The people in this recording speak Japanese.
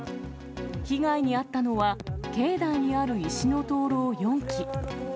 被害に遭ったのは、境内にある石の灯籠４基。